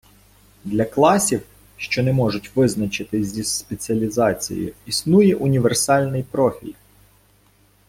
Для класів, що не можуть визначитись зі спеціалізацією, існує універсальний профіль.